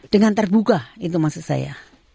dengan terbuka itu maksud saya